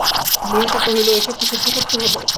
ললিতা কহিল, এ-সব কি সহ্য করতে হবে?